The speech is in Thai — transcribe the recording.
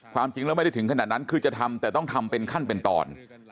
ความจริงแล้วไม่ได้ถึงขนาดนั้นคือจะทำแต่ต้องทำเป็นขั้นเป็นตอน